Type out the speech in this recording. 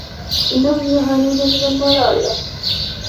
انهم يعانون من الملاريا.